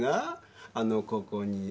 あのここに跡が。